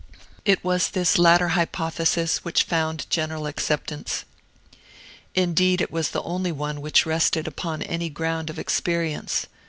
It was this latter hypothesis which found general acceptance. Indeed it was the only one which rested upon any ground of experience.